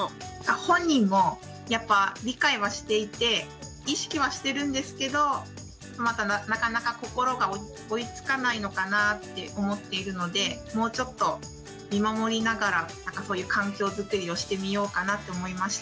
本人もやっぱ理解はしていて意識はしてるんですけどまだなかなか心が追いつかないのかなって思っているのでもうちょっと見守りながらなんかそういう環境づくりをしてみようかなって思いました。